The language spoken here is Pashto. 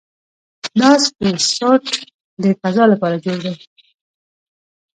دا سپېس سوټ د فضاء لپاره جوړ دی.